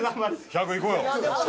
１００いこうよ！